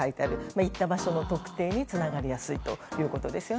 行った場所の特定につながりやすいということですよね。